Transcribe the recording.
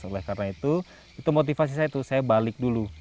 oleh karena itu itu motivasi saya itu saya balik dulu